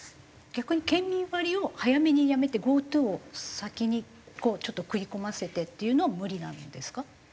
逆に県民割を早めにやめてＧｏＴｏを先にちょっと食い込ませてっていうのは無理なんですか？